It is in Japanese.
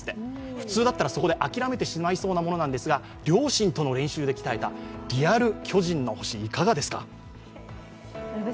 普通だったらそこで諦めてしまいそうなものなんですが両親との練習で鍛えたリアル「巨人の星」、いかがですか？